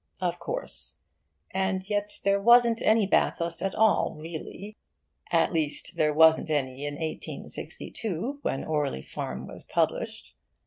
Of course. And yet there wasn't any bathos at all, really. At least, there wasn't any in 1862, when 'Orley Farm' was published.